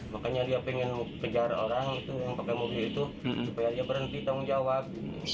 makanya dia pengen kejar orang yang pakai mobil itu supaya dia berhenti tanggung jawab